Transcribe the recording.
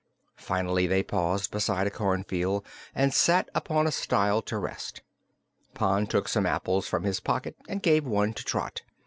Finally they paused beside a cornfield and sat upon a stile to rest. Pon took some apples from his pocket and gave one to Trot.